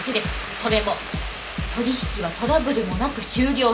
それも取引はトラブルもなく終了している。